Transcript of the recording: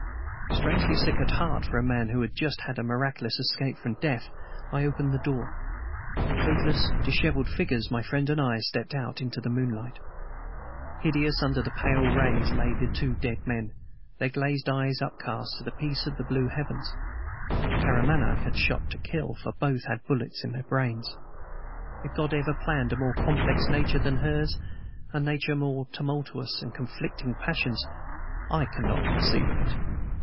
Strangely sick at heart for a man who has just had a miraculous escape from death, I opened the door. Coatless, disheveled figures, my friend and I stepped out into the moonlight. Hideous under the pale rays lay the two dead men, their glazed eyes upcast to the peace of the blue heavens. Karamaneh had shot to kill, for both had bullets in their brains. If God ever planned a more complex nature than hers a nature more tumultuous with conflicting passions, I cannot conceive of it.